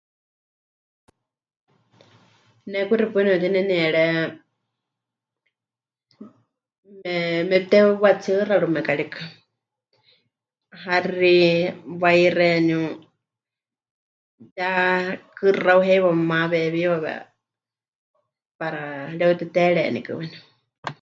Ne kuxi paɨ nepɨrenenieré, me... mepɨteuwatsiɨxarɨme haxi, wai xeeníu, ya kɨxau heiwa memaweewíwawe para 'emɨreuteteerenikɨ waníu.